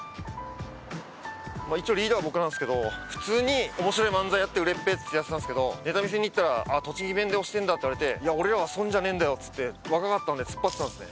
一応リーダーは僕なんすけど普通に面白い漫才やって売れっぺってやってたんすけどネタ見せに行ったら「あっ栃木弁で推してんだ」って言われていや俺らはそういうんじゃねえんだよっつって若かったんで突っ張ってたんすね。